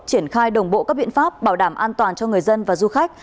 triển khai đồng bộ các biện pháp bảo đảm an toàn cho người dân và du khách